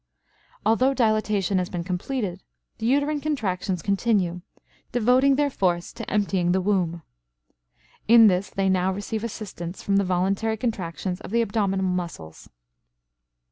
Although dilatation has been completed, the uterine contractions continue, devoting their force to emptying the womb. In this they now receive assistance from the voluntary contractions of the abdominal muscles.